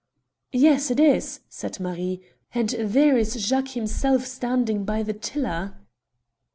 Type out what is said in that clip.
"Yes, it is," said Marie; "and there is Jacques himself standing by the tiller."